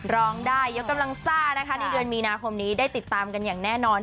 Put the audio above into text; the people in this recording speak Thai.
ร้องได้ยกกำลังซ่านะคะในเดือนมีนาคมนี้ได้ติดตามกันอย่างแน่นอน